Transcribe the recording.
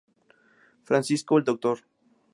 Francisco, el Dr.